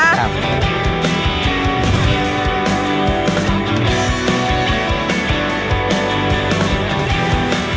อ๋อเหรอคะ